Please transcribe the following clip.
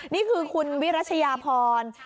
นี่คือคุณวิรัชยาพร